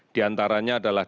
di antara jawa tengah